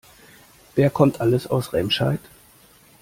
Wer kommt alles aus Remscheid?